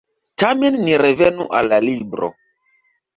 Tamen ni revenu al la libro.